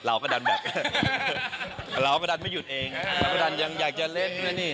รัวราวก็ดันไม่หยุดเองยังอยากจะเล่นนอนเนี่ย